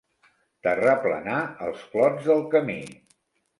Terraplenar els clots del camí.